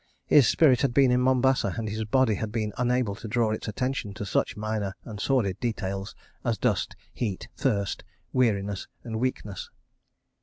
His spirit had been in Mombasa, and his body had been unable to draw its attention to such minor and sordid details as dust, heat, thirst, weariness and weakness.